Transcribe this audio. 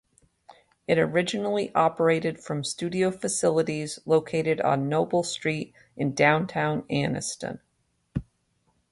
It originally operated from studio facilities located on Noble Street in downtown Anniston.